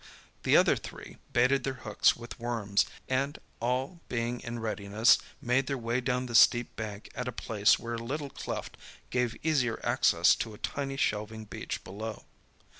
The other three baited their hooks with worms, and, all being in readiness, made their way down the steep bank at a place where a little cleft gave easier access to a tiny shelving beach below.